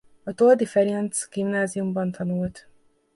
A Toldy Ferenc Gimnáziumban tanult.